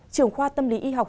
trưởng khoa tâm lý y học